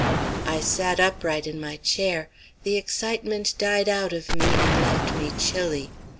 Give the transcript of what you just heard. I sat upright in my chair. The excitement died out of me and left me chilly.